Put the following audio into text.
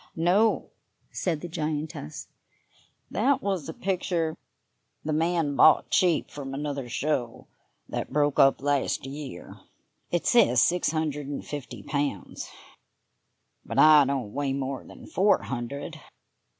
"No," said the giantess; "that was a picture the man bought cheap from another show that broke up last year. It says six hundred and fifty pounds, but I don't weigh more than four hundred.